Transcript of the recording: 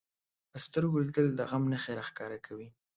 په سترګو لیدل د غم نښې راښکاره کوي